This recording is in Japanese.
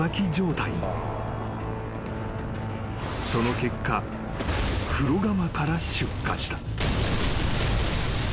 ［その結果風呂釜から出火した］